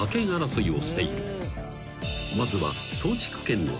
［まずは］